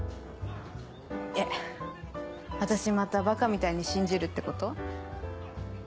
えっ私またバカみたいに信じるってこと？